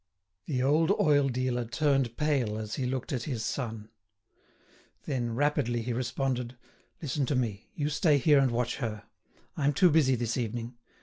The old oil dealer turned pale as he looked at his son. Then, rapidly, he responded: "Listen to me; you stay here and watch her. I'm too busy this evening.